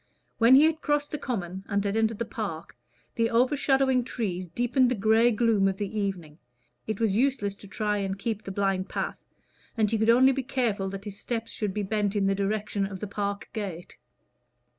When he had crossed the common and had entered the park, the overshadowing trees deepened the gray gloom of the evening; it was useless to try and keep the blind path, and he could only be careful that his steps should be bent in the direction of the park gate.